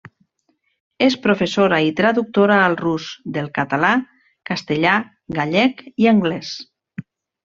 És professora i traductora al rus del català, castellà, gallec i anglès.